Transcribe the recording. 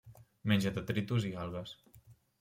Menja detritus i algues.